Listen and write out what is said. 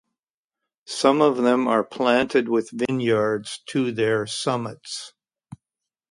Some of them are planted with vineyards to their summits.